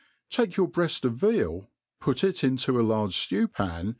TAKE your breaft of veal, put it into a large ftew pan.